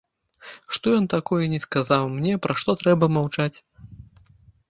Што ж ён такое не сказаў мне, пра што трэба маўчаць?